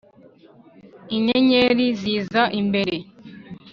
inyenyeri ziza imbere,